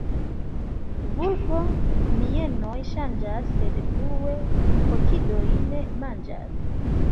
Vulpo mienon ŝanĝas, sed plue kokidojn manĝas.